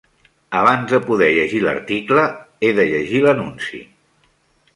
Abans de poder llegir l'article he de llegir l'anunci.